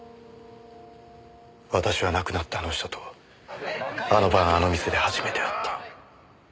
私は亡くなったあの人とあの晩あの店で初めて会った。